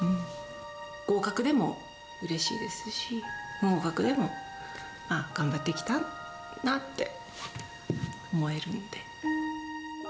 合格でもうれしいですし、不合格でも、頑張ってきたなって思えるので。